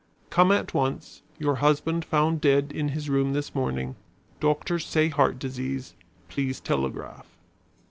"Come at once. Your husband found dead in his room this morning. Doctors say heart disease. Please telegraph."